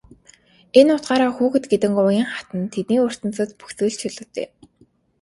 Энэ утгаараа хүүхэд гэдэг уян хатан тэдний ертөнцөд бүх зүйл чөлөөтэй.